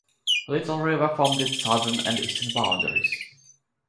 Little River formed its southern and eastern boundaries.